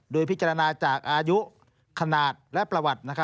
โดยพิจารณาจากอายุขนาดและประวัติ